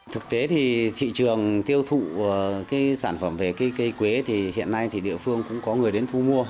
thực tế thì thị trường tiêu thụ cái sản phẩm về cây quế thì hiện nay thì địa phương cũng có người đến thu mua